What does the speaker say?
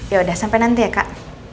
ya udah sampai nanti ya kak